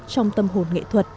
trong tâm hồn nghệ thuật